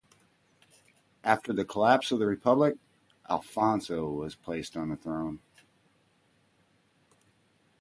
After the collapse of the Republic, Alfonso was placed on the throne.